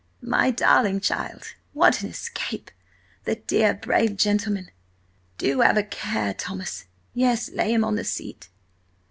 "My darling child, what an escape! The dear, brave gentleman! Do have a care, Thomas! Yes, lay him on the seat."